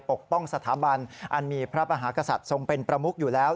ปกป้องสถาบันอันมีพระมหากษัตริย์ทรงเป็นประมุกอยู่แล้ว